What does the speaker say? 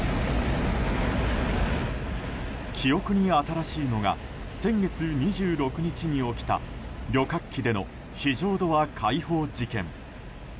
記憶に新しいのが先月２６日に起きた旅客機での非常ドア開放事件。